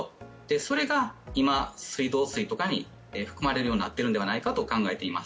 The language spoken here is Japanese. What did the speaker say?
それが今水道水とかに含まれるようになっているのではないかと考えられます。